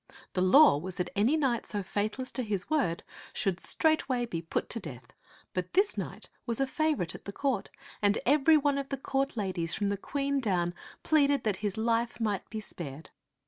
The law was that any knight so faithless to his word should straightway be put to death; but this knight was a favorite at the court, and every one of the court ladies, from the Queen down, pleaded that his life might be spared.